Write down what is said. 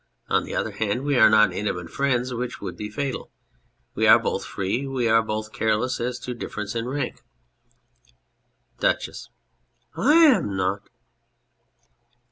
On the other hand, we are not intimate friends, which would be fatal. We are both free. We are both careless as to differences in rank. DUCHESS. I am not.